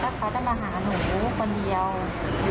เขาก็จะมาหาหนูคนเดียว